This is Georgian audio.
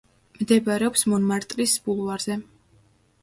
მდებარეობს მონმარტრის ბულვარზე.